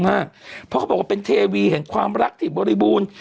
เพราะเขาบอกว่าเป็นเทวีแห่งความรักที่บริบูรณ์